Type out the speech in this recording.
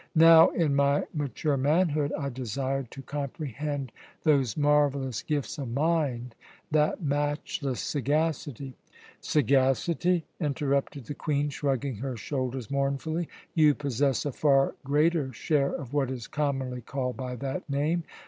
Now, in my mature manhood, I desired to comprehend those marvellous gifts of mind, that matchless sagacity " "Sagacity!" interrupted the Queen, shrugging her shoulders mournfully. "You possess a far greater share of what is commonly called by that name.